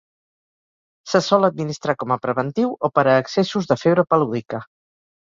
Se sol administrar com a preventiu o per a excessos de febre palúdica.